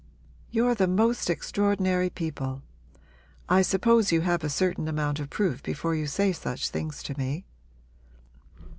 'You're the most extraordinary people. I suppose you have a certain amount of proof before you say such things to me?'